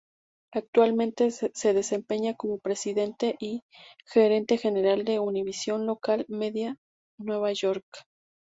Actualmente se desempeña como presidente y gerente general de Univision Local Media Nueva York.